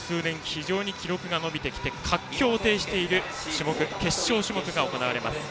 非常に記録が伸びてきて活況を呈している決勝種目が行われます。